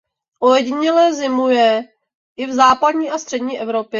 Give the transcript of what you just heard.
Ojediněle zimuje i v západní a střední Evropě.